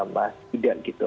mas ida gitu